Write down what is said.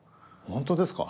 本当ですか。